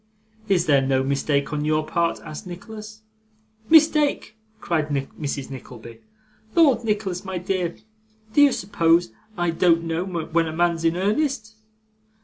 'Is there no mistake on your part?' asked Nicholas. 'Mistake!' cried Mrs. Nickleby. 'Lord, Nicholas my dear, do you suppose I don't know when a man's in earnest?